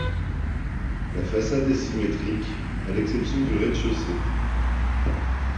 La façade est symétrique à l'exception du rez-de-chaussée.